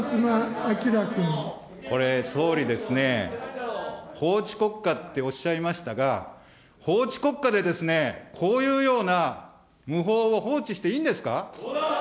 これ、総理ですね、法治国家っておっしゃいましたが、法治国家でですね、こういうような無法を放置していいんですか。